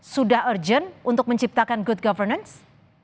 sudah urgent untuk menciptakan good governance